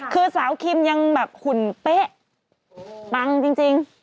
คือสาวคิมยังแบบหุ่นเป๊ะปังจริง